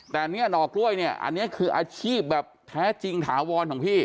แต่เนี่ยหน่อกล้วยเนี่ยอันนี้คืออาชีพแบบแท้จริงถาวรของพี่